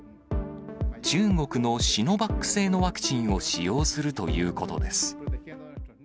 中国のシノバック製のワクチンを使用するということです。